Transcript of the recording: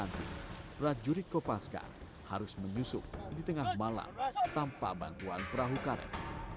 nanti prajurit kopaska harus menyusup di tengah malam tanpa bantuan perahu karet